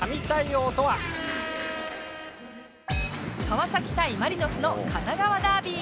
川崎対マリノスの神奈川ダービー